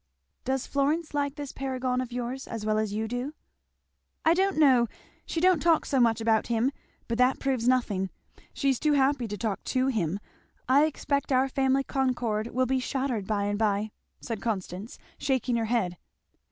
"Does Florence like this paragon of yours as well as you do?" "I don't know she don't talk so much about him, but that proves nothing; she's too happy to talk to him. I expect our family concord will be shattered by and by!" said Constance shaking her head.